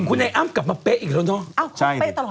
คุณไอ้อ้ำกลับมาเป๊ะอีกแล้วเนาะ